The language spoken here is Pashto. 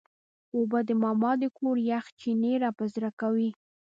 اوبه د ماما د کور یخ چینې راپه زړه کوي.